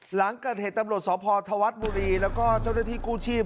หลังเกิดเหตุตำรวจสพธวัฒน์บุรีแล้วก็เจ้าหน้าที่กู้ชีพ